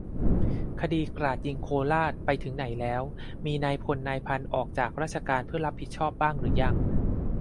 คดี"กราดยิงโคราช"ไปถึงไหนแล้ว ? มีนายพลนายพันออกจากราชการเพื่อรับผิดชอบบ้างหรือยัง ?